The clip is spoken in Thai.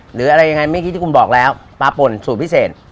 หรืออะไรยังไงไม่ได้ขึ้นได้ที่กุ้มบอกแล้วปลาป่นสูตรพิเศษ